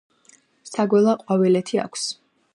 საგველა ყვავილედი აქვს.